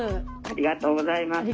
ありがとうございます。